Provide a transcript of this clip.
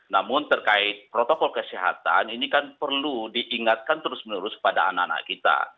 namun terkait protokol kesehatan ini kan perlu diingatkan terus menerus pada anak anak kita